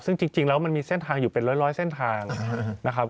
ซึ่งจริงแล้วมันมีเส้นทางอยู่เป็นร้อยเส้นทางนะครับ